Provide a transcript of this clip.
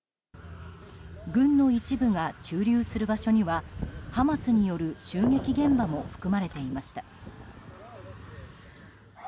軍の一部が駐留する場所にはハマスによる襲撃現場も含まれていました。